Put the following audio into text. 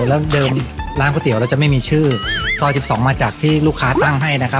แล้วเดิมร้านก๋วยเตี๋ยวเราจะไม่มีชื่อซอย๑๒มาจากที่ลูกค้าตั้งให้นะครับ